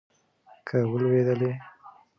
که ولوېدلې